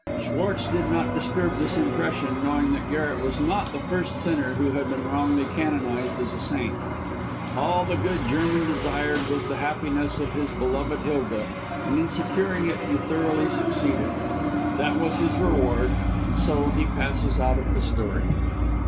Schwartz did not disturb this impression, knowing that Garret was not the first sinner who had been wrongly canonised as a saint. All the good German desired was the happiness of his beloved Hilda, and in securing it he thoroughly succeeded. That was his reward, and so he passes out of the story.